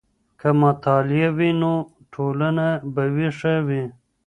که مطالعه وي، نو ټولنه به ويښه وي.